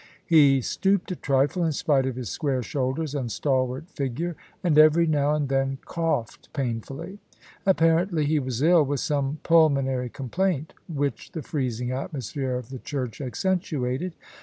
He stooped a trifle, in spite of his square shoulders and stalwart figure, and every now and then coughed painfully. Apparently he was ill with some pulmonary complaint, which the freezing atmosphere of the church accentuated.